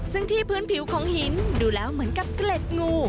ซึ่งที่พื้นผิวของหินดูแล้วเหมือนกับเกล็ดงู